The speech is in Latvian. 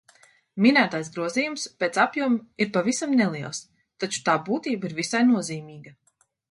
Minētais grozījums pēc apjoma ir pavisam neliels, taču tā būtība ir visai nozīmīga.